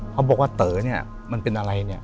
เขาบอกว่าเต๋อมันเป็นอะไร